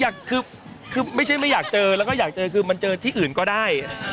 อยากคือไม่ใช่ไม่อยากเจอแล้วก็อยากเจอคือมันเจอที่อื่นก็ได้